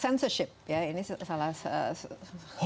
censorship ya ini salah satu